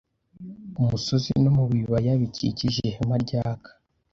kumusozi no mubibaya bikikije ihema ryaka